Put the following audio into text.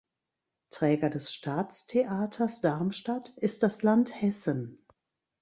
Träger des Staatstheaters Darmstadt ist das Land Hessen.